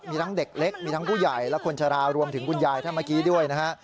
มีทั้งเด็กเล็กมีทั้งผู้ใหญ่และคนชะลารวมถึงคุณยายท่านเมื่อกี้ด้วยนะฮะ